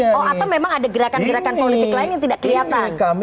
atau memang ada gerakan gerakan politik lain yang tidak kelihatan